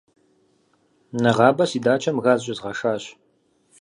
Нэгъабэ си дачэм газ щӏезгъэшащ.